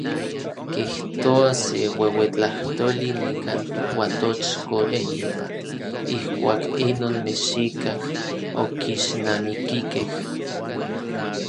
Kijtoa se ueuetlajtoli nikan Uatochko eyipa, ijkuak inon mexikaj okixnamikikej.